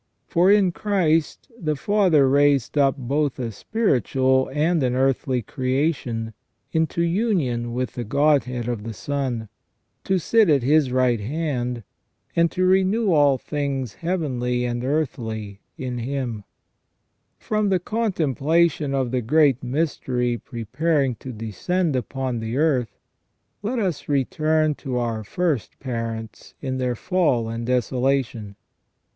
For in Christ the Father raised up both a spiritual and an earthly creation into union with the Godhead of the Son, to sit at His right hand, and to renew all things heavenly and earthly in Him. From the contemplation of the great mystery preparing to descend upon the earth, let us return to our first parents in their • S. Leo, Serm. 7 in Epiphaniam. AND THE REDEMPTION OF CHRIST. 301 fall and desolation.